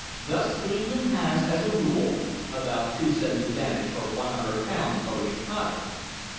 Thus Cleveland has, as a rule, about two cents advantage per 100 pounds over Chicago.